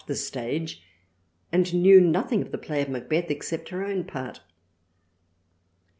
G so THRALIANA the stage and knew nothing of the play of Macbeth except her own part.